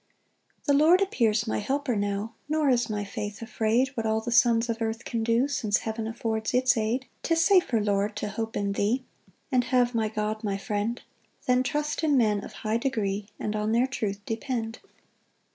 1 The Lord appears my helper now, Nor is my faith afraid What all the sons of earth can do, Since heaven affords its aid. 2 'Tis safer, Lord, to hope in thee, And have my God my friend, Than trust in men of high degree, And on their truth depend.